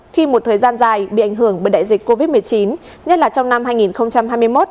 khi một thời gian dài bị ảnh hưởng bởi đại dịch covid một mươi chín nhất là trong năm hai nghìn hai mươi một